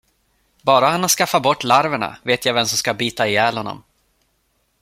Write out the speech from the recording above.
Bara han har skaffat bort larverna, vet jag vem som ska bita ihjäl honom.